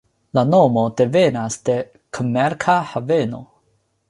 La nomo devenas de "komerca haveno.